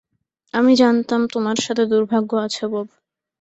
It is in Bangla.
আমি জানতাম তোমার সাথে দুর্ভাগ্য আছে, বব।